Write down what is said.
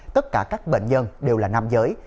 tất cả các bệnh nhân đều là nam giới